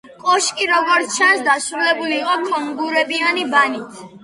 კოშკი, როგორც ჩანს, დასრულებული იყო ქონგურებიანი ბანით.